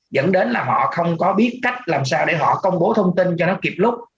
dẫn đến là họ không có biết cách làm sao để họ công bố thông tin cho nó kịp lúc